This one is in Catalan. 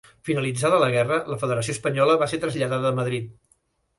Finalitzada la guerra, la federació espanyola va ser traslladada a Madrid.